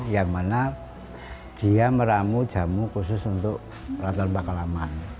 yang mana dia meramu jamu khusus untuk ratu rupa kalaman